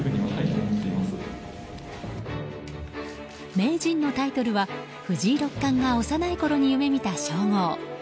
名人のタイトルは藤井六冠が幼いころに夢見た称号。